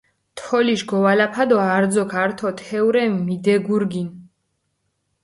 თოლიშ გოვალაფა დო არძოქ ართო თეჸურე მიდეგურგინჷ.